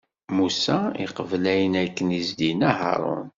Musa, iqbel ayen akken i s-d-inna Haṛun.